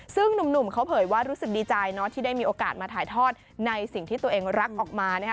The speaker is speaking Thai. ซึ่งหนุ่มเขาเผยว่ารู้สึกดีใจเนาะที่ได้มีโอกาสมาถ่ายทอดในสิ่งที่ตัวเองรักออกมานะคะ